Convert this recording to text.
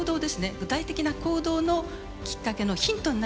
具体的な行動のきっかけのヒントになればと思います。